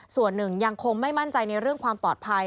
ส่วนหนึ่งยังคงไม่มั่นใจในเรื่องความปลอดภัย